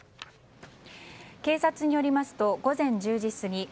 警察によりますと午前１０時過ぎ